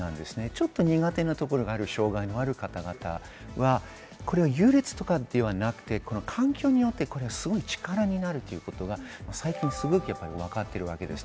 ちょっと苦手なところがある障害のある方々は優劣とかではなくて、環境によってすごいチカラになるということが最近すごくわかっています。